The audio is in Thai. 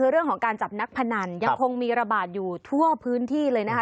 คือเรื่องของการจับนักพนันยังคงมีระบาดอยู่ทั่วพื้นที่เลยนะคะ